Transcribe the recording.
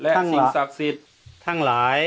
ข้าพเจ้านางสาวสุภัณฑ์หลาโภ